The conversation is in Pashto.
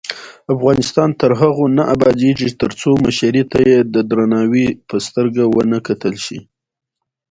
افغانستان تر هغو نه ابادیږي، ترڅو مشرې ته د درناوي سترګه ونه کتل شي.